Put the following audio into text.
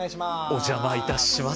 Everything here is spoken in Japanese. お邪魔いたします。